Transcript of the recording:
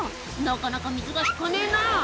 なかなか水が引かねえな」